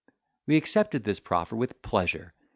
We accepted his proffer with pleasure.